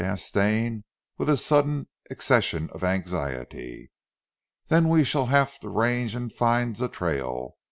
asked Stane with a sudden accession of anxiety. "Then we shall haf to range an' find zee trail.